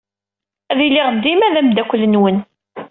Ad iliɣ dima d ameddakel-nwen.